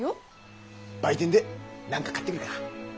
売店で何か買ってくるか。